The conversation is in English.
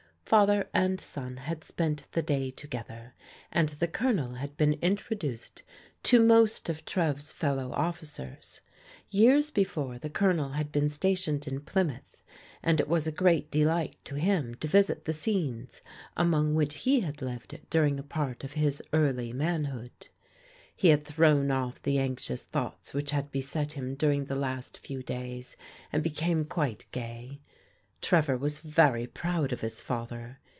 Father and son had spent the day together, and the Colonel had been introduced to most of Trev's fellow officers. Years before, the Colonel had been stationed m Pljmiouth, and it was a great delight to him to visit the scenes among which he had lived during a part of his early manhood. He had thrown off the anxious thoughts which had beset him during the last few days and became quite gay. Trevor was very proud of his father.